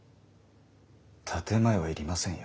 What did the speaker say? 建て前はいりませんよ。